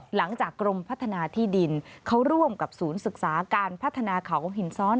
หลังจากกรมพัฒนาที่ดินเขาร่วมกับศูนย์ศึกษาการพัฒนาเขาหินซ้อน